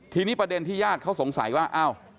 ทีนี้ประเด็นที่ญาติเขาสงสัยว่าอ้าว